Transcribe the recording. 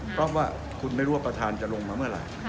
เพราะว่าคุณไม่รู้ว่าประธานจะลงมาเมื่อไหร่